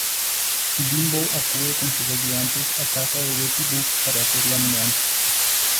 Bimbo acude con sus ayudantes a casa de Betty Boop para hacer la mudanza.